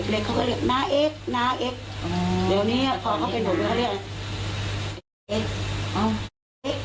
เด็กเขาก็เรียกน้าเอ็กซ์น้าเอ็กซ์เดี๋ยวนี้พอเขาเป็นผมเขาเรียกอะไร